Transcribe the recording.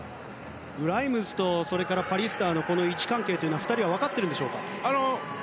グライムズとパリスターの位置関係は２人は分かっているんでしょうか。